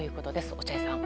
落合さん。